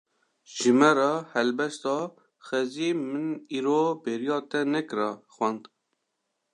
Ji me re helbesta "Xwezî min îro bêriya te nekira" xwend